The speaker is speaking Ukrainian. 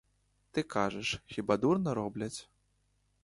Ти кажеш: хіба дурно роблять?